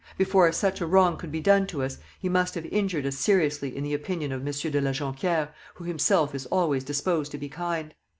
Before such a wrong could be done to us, he must have injured us seriously in the opinion of Monsieur de la Jonquière, who himself is always disposed to be kind.